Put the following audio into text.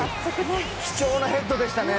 貴重なヘッドでしたね。